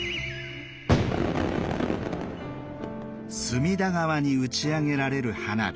隅田川に打ち上げられる花火。